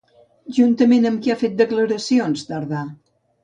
Juntament amb qui ha fet les declaracions Tardà?